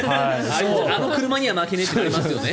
あの車には負けねえってなりますよね。